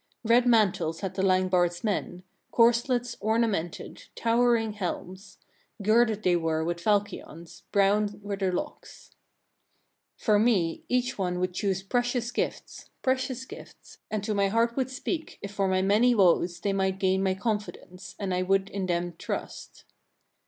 Red mantles had the Langbard's men, corslets ornamented, towering helms; girded they were with falchions, brown were their locks. 20. For me each one would choose precious gifts, precious gifts, and to my heart would speak, if for my many woes they might gain my confidence, and I would in them trust.